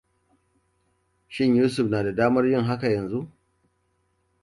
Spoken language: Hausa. Shin Yusuf na da damar yin haka yanzu?